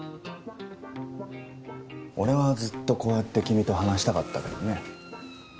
俺はずっとこうやって君と話したかったけどね。